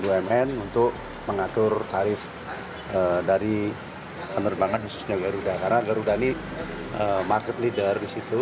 bumn untuk mengatur tarif dari penerbangan khususnya garuda karena garuda ini market leader di situ